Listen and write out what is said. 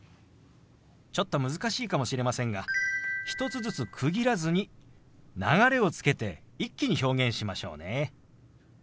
ちょっと難しいかもしれませんが１つずつ区切らずに流れをつけて一気に表現しましょうね。